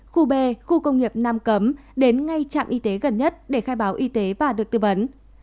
khu b khu công nghiệp nam cấm đến ngay trạm y tế gần nhất để khai báo y tế và được tư vấn